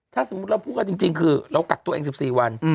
ถ้าสมมุติเราพูดกันจริงคือเรากักตัวเอง๑๔วัน